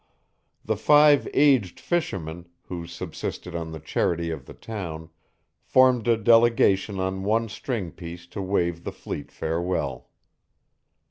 The five aged fishermen, who subsisted on the charity of the town, formed a delegation on one stringpiece to wave the fleet farewell.